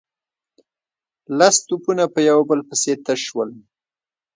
لس توپونه په يو بل پسې تش شول.